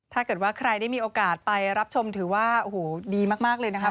ถ้าเกิดว่าใครได้มีโอกาสไปรับชมถือว่าโอ้โหดีมากเลยนะคะ